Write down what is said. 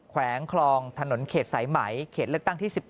แขวงคลองถนนเขตสายไหมเขตเลือกตั้งที่๑๘